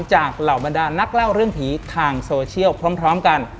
เหล่าบรรดานักเล่าเรื่องผีทางโซเชียลพร้อมกัน